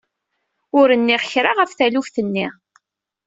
Ur nniɣ kra ɣef taluft-nni.